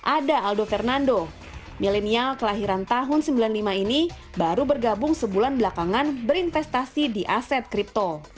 ada aldo fernando milenial kelahiran tahun seribu sembilan ratus sembilan puluh lima ini baru bergabung sebulan belakangan berinvestasi di aset kripto